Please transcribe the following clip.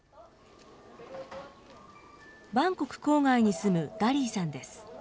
バンコク郊外に住むダリーさんです。